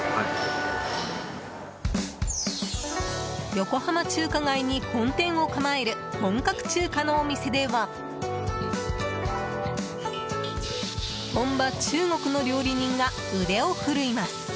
横浜中華街に本店を構える本格中華のお店では本場・中国の料理人が腕を振るいます。